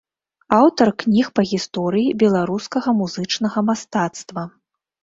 Аўтар кніг па гісторыі беларускага музычнага мастацтва.